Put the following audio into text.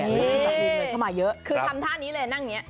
มีเงินเข้ามาเยอะคือทำท่านี้เลยนั่งอย่างนี้